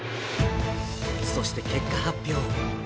そして結果発表。